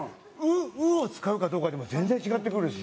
「ウ」を使うかどうかでも全然違ってくるし。